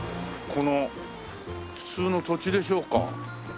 この普通の土地でしょうか？